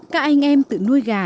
các anh em tự nuôi gà